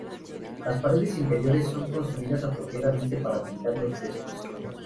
Las paredes interiores son construidas apropiadamente para pintar los frescos.